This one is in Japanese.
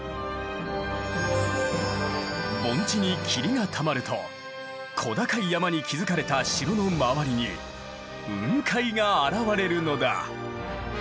盆地に霧がたまると小高い山に築かれた城の周りに雲海が現れるのだ。